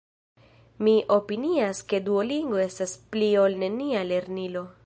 Mi opinias ke Duolingo estas “pli-ol-nenia” lernilo.